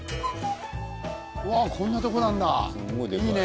うわこんなとこなんだいいね。